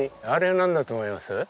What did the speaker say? あれなんだと思います？